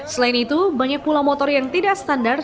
selain itu banyak pula motor yang tidak standar